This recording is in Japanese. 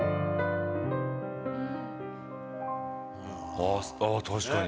あぁあっ確かに。